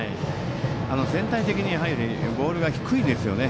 全体的にボールが低いですよね。